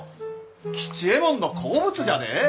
吉右衛門の好物じゃで！